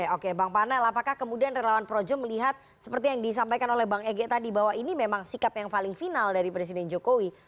oke bang panel apakah kemudian relawan projo melihat seperti yang disampaikan oleh bang ege tadi bahwa ini memang sikap yang paling final dari presiden jokowi